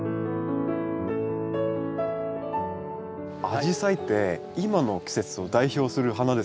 アジサイって今の季節を代表する花ですよね。